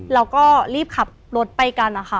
เราก็รีบขับรถไปกันนะคะ